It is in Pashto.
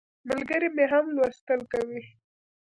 ملګری مې هم لوستل کوي.